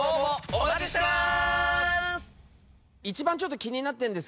お待ちしてます！